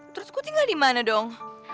terus ku tinggal dimana dong